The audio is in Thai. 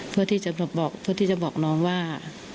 เพื่อที่จะบอกน้องว่า